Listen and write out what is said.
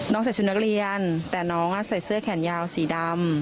ใส่ชุดนักเรียนแต่น้องใส่เสื้อแขนยาวสีดำ